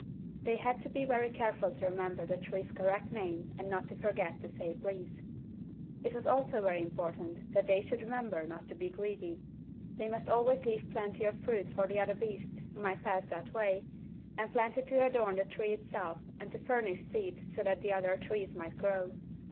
They had to be very careful to remember the tree's correct name and not to forget to say "please." It was also very important that they should remember not to be greedy. They must always leave plenty of fruit for the other beasts who might pass that way, and plenty to adorn the tree itself and to furnish seed so that other trees might grow.